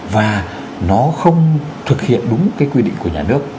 và nó không thực hiện đúng cái quy định của nhà nước